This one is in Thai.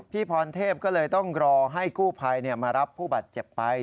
พรเทพก็เลยต้องรอให้กู้ภัยมารับผู้บาดเจ็บไป